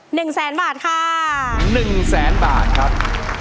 หนึ่งแสนบาทค่ะหนึ่งแสนบาทครับ